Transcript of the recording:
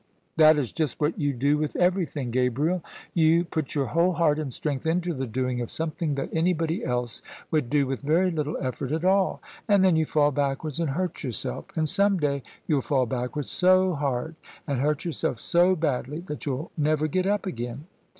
" That is just what you do with everjrthing, Gabriel. You THE SUBJECTION put your whole heart and strength Into the doing of some thing that anybody else would do with very little effort at all: and then you fall backwards and hurt yourself; and some day you'll fall backwards so hard and hurt yourself so badly that you'll never get up again."